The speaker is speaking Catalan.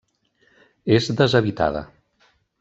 És deshabitada.